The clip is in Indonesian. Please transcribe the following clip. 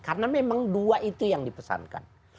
karena memang dua itu yang dipesankan